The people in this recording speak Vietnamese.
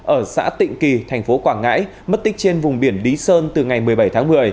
ở xã tịnh kỳ thành phố quảng ngãi mất tích trên vùng biển lý sơn từ ngày một mươi bảy tháng một mươi